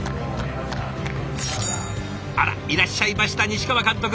あらいらっしゃいました西川監督！